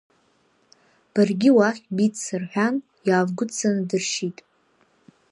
Баргьы уахь бицца, — рҳәан, иаалгәыдҵаны дыршьит.